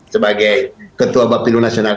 sebagai ketua bapak pilih nasional